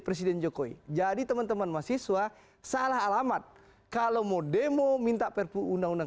presiden jokowi jadi teman teman mahasiswa salah alamat kalau mau demo minta perpu undang undang